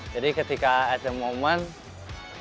jadi ketika at the moment